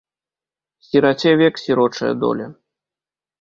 Сіраце век сірочая доля.